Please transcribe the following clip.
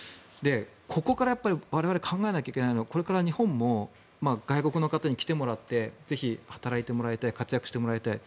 ここから我々が考えないといけないのは、日本も外国の方に来てもらってぜひ働いてもらいたい活躍してもらいたい。